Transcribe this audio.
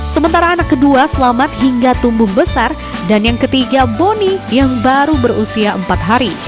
sementara anak kedua selamat hingga tumbuh besar dan yang ketiga boni yang baru berusia empat hari